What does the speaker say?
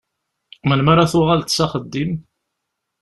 Melmi ara tuɣaleḍ s axeddim?